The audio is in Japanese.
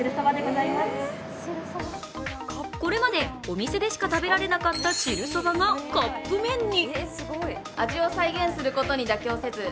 これまでお店でしか食べられなかった汁そばがカップ麺に。